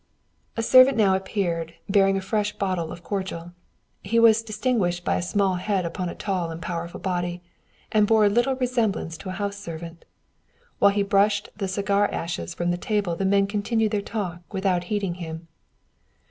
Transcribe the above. A servant now appeared bearing a fresh bottle of cordial. He was distinguished by a small head upon a tall and powerful body, and bore little resemblance to a house servant. While he brushed the cigar ashes from the table the men continued their talk without heeding him.